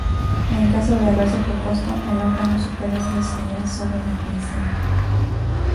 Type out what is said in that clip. En caso de haberse propuesto, el órgano superior decidirá sobre la admisión.